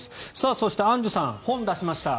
そしてアンジュさん本を出しました。